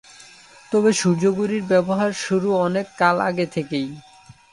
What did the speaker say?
তবে সূর্য ঘড়ির ব্যবহার শুরু অনেক কাল আগে থেকেই।